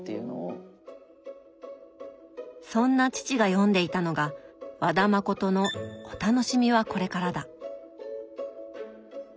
そんな父が読んでいたのが和田誠の「お楽しみはこれからだ」。